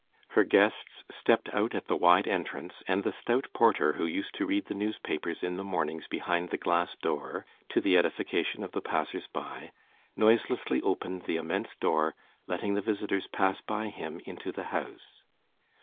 Her guests stepped out at the wide entrance, and the stout porter, who used to read the newspapers in the mornings behind the glass door, to the edification of the passers by, noiselessly opened the immense door, letting the visitors pass by him into the house.